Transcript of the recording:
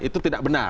itu tidak benar